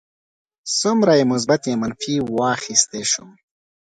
څومره یې مثبت یا منفي واخیستی شم.